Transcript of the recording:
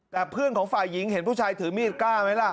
แต่เพื่อนของฝ่ายหญิงเห็นผู้ชายถือมีดกล้าไหมล่ะ